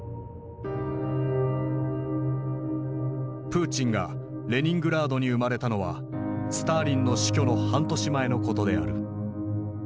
プーチンがレニングラードに生まれたのはスターリンの死去の半年前のことである。